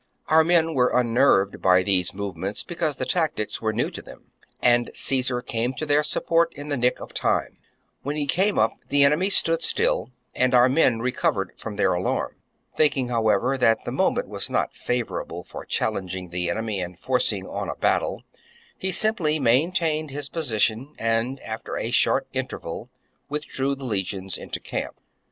34. Our men were unnerved by these move ments, because the tactics were new to them ; and Caesar came to their support in the nick of time. When he came up the enemy stood still, and our men recovered from their alarm. Thinking, how ever, that the moment was not favourable for challenging the enemy and forcing on a battle, he simply maintained his position, and after a. short interval withdrew the legions into camp.